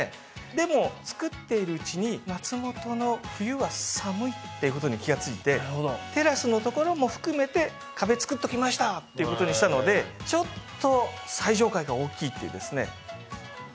でもつくっているうちに松本の冬は寒いってことに気がついてテラスのところも含めて壁つくっときましたってことにしたのでちょっと最上階が大きいっていうですね